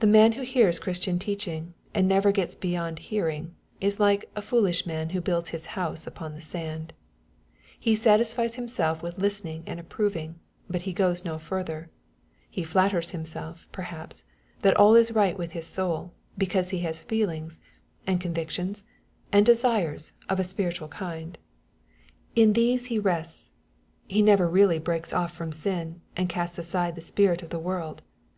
The man who hears Christian teac hing , and never gets beyond hearing,_is like " a foolish man who builds his house upon the sand.'' He satisfies himself with listening and approving, but ho goes no further. He flatters himself, perhaps, that all is right with his soul, because he has feelings, and convictions,~and desires, of a spiritual \\ 72 EXPOSITORT THOUGHTB. Vind. In these he Tests. He never reall2_breaks off from sin, and casts aside the spirit of the world.